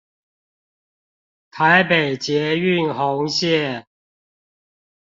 台北捷運紅線